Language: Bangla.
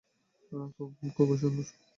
খুবই, খুবই সুন্দর।